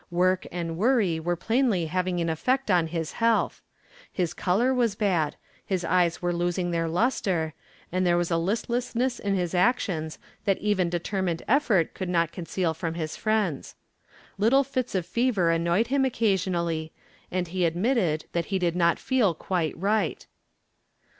Work and worry were plainly having an effect on his health. His color was bad, his eyes were losing their lustre, and there was a listlessness in his actions that even determined effort could not conceal from his friends. Little fits of fever annoyed him occasionally and he admitted that he did not feel quite right.